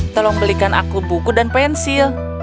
tolong belikan aku buku dan pensil